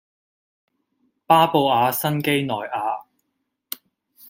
巴布亞新畿內亞